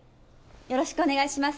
よろしくお願いします。